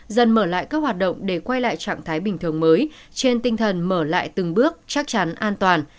dần mở lại các hoạt động để quay lại trạng thái bình thường mới trên tinh thần mở lại từng bước chắc chắn an toàn